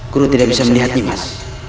guru tidak bisa melihat jimas